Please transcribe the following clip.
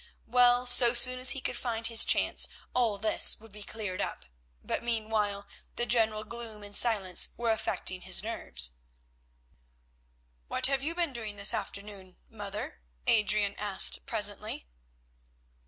Well, so soon as he could find his chance all this would be cleared up, but meanwhile the general gloom and silence were affecting his nerves. "What have you been doing this afternoon, mother?" Adrian asked presently.